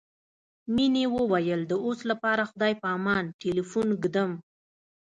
مينې وويل د اوس لپاره خدای په امان ټليفون ږدم.